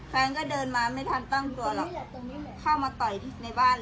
แฟนก็เดินมาไม่ทันตั้งตัวหรอกเข้ามาต่อยที่ในบ้าน